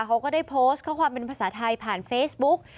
เขาก็ได้โพสต์ข้อความเป็นภาษาไทยผ่านเฟซบุ๊ก